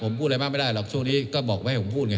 ไม่ได้หรอกช่วงนี้ก็บอกไว้ให้ผมพูดไง